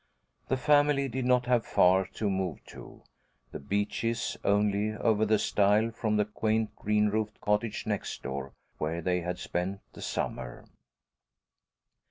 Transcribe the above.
The family did not have far to move to "The Beeches"; only over the stile from the quaint green roofed cottage next door, where they had spent the summer.